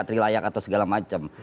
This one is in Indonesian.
trilayak atau segala macam